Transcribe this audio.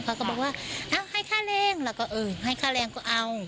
เขาก็บอกว่าให้ค่าแรงแล้วก็เออให้ค่าแรงก็เอา